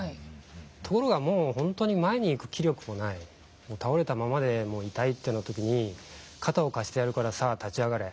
ところがもう本当に前に行く気力もない倒れたままでいたいというような時に「肩を貸してやるからさあ立ち上がれ。